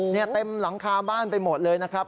นี่เต็มหลังคาบ้านไปหมดเลยนะครับ